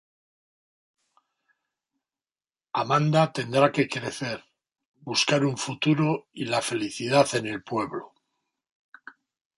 Amanda tendrá que crecer, buscar un futuro y la felicidad en el pueblo.